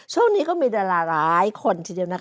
ช่วงนี้ก็มีดาราหลายคนทีเดียวนะคะ